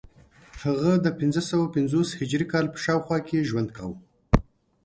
هغه د پنځه سوه پنځوس هجري کال په شاوخوا کې ژوند کاوه